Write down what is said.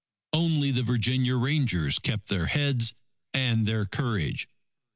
Only the Virginia Rangers kept their heads and their courage.